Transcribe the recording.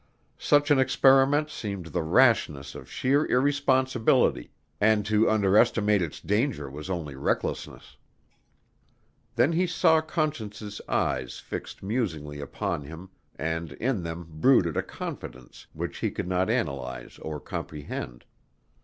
Such an experiment seemed the rashness of sheer irresponsibility, and to underestimate its danger was only recklessness. Then he saw Conscience's eyes fixed musingly upon him and in them brooded a confidence which he could not analyze or comprehend.